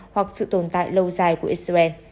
hoặc sự tồn tại lâu dài của israel